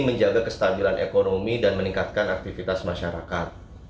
menjaga kestabilan ekonomi dan meningkatkan aktivitas masyarakat